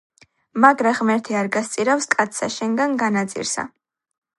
მაგრა ღმერთი არ გასწირავს კაცსა, შენგან განაწირსა.